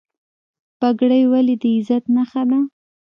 پګړۍ ولې د عزت نښه ده؟